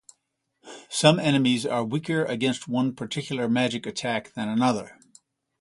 Some enemies are weaker against one particular magic attack than another.